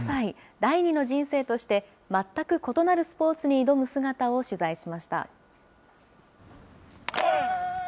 第２の人生として、全く異なるスポーツに挑む姿を取材しました。